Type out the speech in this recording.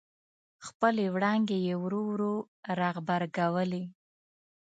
خپلې وړانګې یې ورو ورو را غبرګولې.